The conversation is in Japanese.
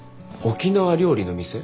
沖縄料理の店？